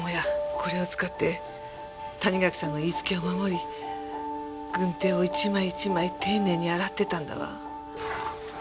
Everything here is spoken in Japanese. これを使って谷垣さんの言いつけを守り軍手を１枚１枚丁寧に洗ってたんだわ。